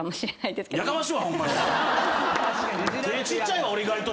手ぇちっちゃいわ俺意外と。